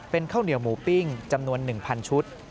เป็นข้าวเหนียวหมูปิ้งจำนวน๑๐๐ชุด